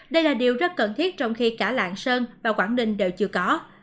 đây là điều rất cần thiết trong khi cả lạng sơn và quảng ninh đều chưa có